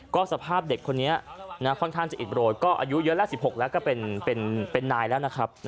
ก็สภาพเด็กคนนี้นะค่อนข้างจะอิ่มโหลดก็อายุเยอะละสิบหกแล้วก็เป็นเป็นเป็นนายแล้วนะครับ